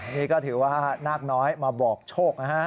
นี่ก็ถือว่านาคน้อยมาบอกโชคนะฮะ